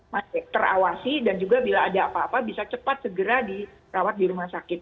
masih terawasi dan juga bila ada apa apa bisa cepat segera dirawat di rumah sakit